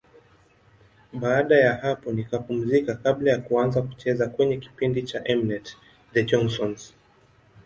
Baada ya hapo nikapumzika kabla ya kuanza kucheza kwenye kipindi cha M-net, The Johnsons.